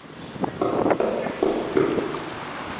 nishati ya umeme itokanayo na miyunzi ya jua ni kweli ni raha